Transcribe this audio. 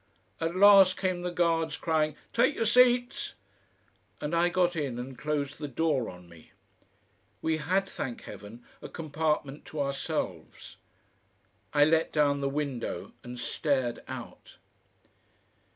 At last came the guards crying: "Take your seats," and I got in and closed the door on me. We had, thank Heaven! a compartment to ourselves. I let down the window and stared out.